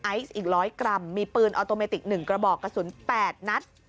อีก๑๐๐กรัมมีปืนออโตเมติก๑กระบอกกระสุน๘นัด